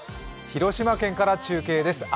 広島県から中継です。